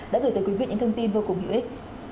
đã gửi tới quý vị những thông tin vô cùng hữu ích